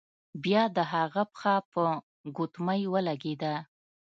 بیا د هغه پښه په ګوتمۍ ولګیده.